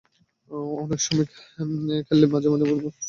অনেক সময় নিয়ে খেললে মাঝে মাঝে মনোযোগ ঠিক রাখা যায় না।